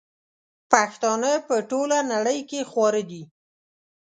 پښتانه په ټوله نړئ کي خواره دي